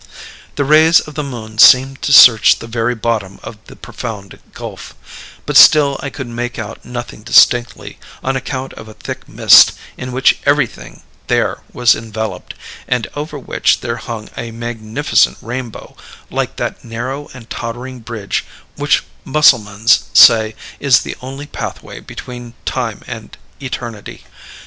"The rays of the moon seemed to search the very bottom of the profound gulf; but still I could make out nothing distinctly, on account of a thick mist in which everything there was enveloped, and over which there hung a magnificent rainbow, like that narrow and tottering bridge which Mussulmans say is the only pathway between Time and Eternity.